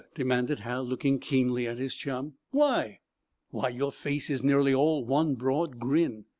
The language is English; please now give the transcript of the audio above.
demanded Hal, looking keenly at his chum. "Why?" "Why, your face is nearly all one broad grin."